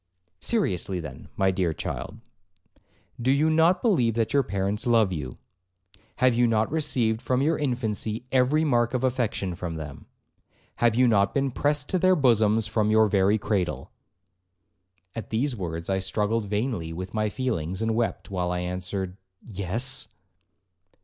'Seriously, then, my dear child, do you not believe that your parents love you? Have you not received from your infancy every mark of affection from them? Have you not been pressed to their bosoms from your very cradle?' At these words I struggled vainly with my feelings, and wept, while I answered, 'Yes.'